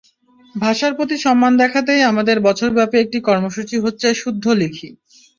ভাষার প্রতি সম্মান দেখাতেই আমাদের বছরব্যাপী একটি কর্মসূচি হচ্ছে শুদ্ধ লিখি।